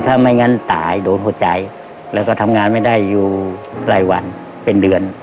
ถ้าไม่งั้นตายโดนหัวใจแล้วก็ทำงานไม่ได้อยู่หลายวันเป็นเดือน